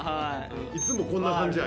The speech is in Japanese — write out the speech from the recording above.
いつもこんな感じや？